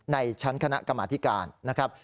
ในชั้นคณะกรรมธิการนะครับ